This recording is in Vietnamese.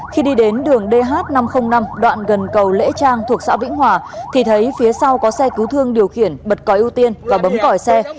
khi đi đến đường dh năm trăm linh năm đoạn gần cầu lễ trang thuộc xã vĩnh hòa thì thấy phía sau có xe cứu thương điều khiển bật còi ưu tiên và bấm còi xe